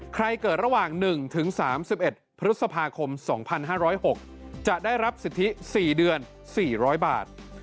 เกิดระหว่าง๑๓๑พฤษภาคม๒๕๐๖จะได้รับสิทธิ๔เดือน๔๐๐บาท